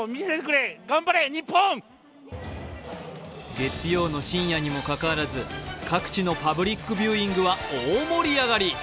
月曜の深夜にもかかわらず各地のパブリックビューイングは大盛り上がり。